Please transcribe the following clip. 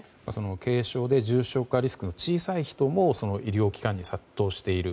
軽症で重症化リスクの小さい人も、医療機関に殺到している。